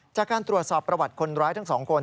จากการตรวจสอบประวัติคนร้ายทั้งสองคน